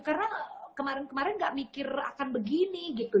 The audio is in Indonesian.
karena kemarin kemarin gak mikir akan begini gitu